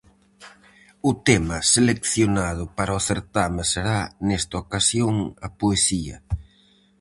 O tema seleccionado para o certame será nesta ocasión a poesía.